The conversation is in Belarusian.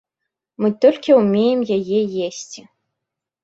Мы толькі ўмеем яе есці.